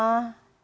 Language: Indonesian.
ketua majelis ulama